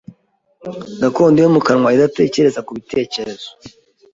gakondo yo mu kanwa idatekereza ku bitekerezo